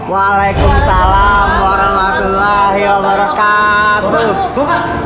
waalaikumsalam warahmatullahi wabarakatuh